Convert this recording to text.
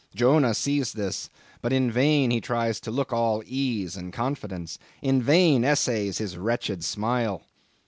Jonah sees this; but in vain he tries to look all ease and confidence; in vain essays his wretched smile.